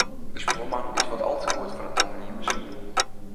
Us buorman is wat al te goed fan 'e tongrieme snien.